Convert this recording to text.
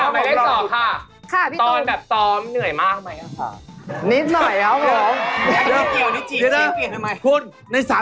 ไม่ต้องอะไรนะฮะ